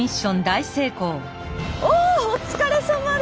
おおっお疲れさまでした。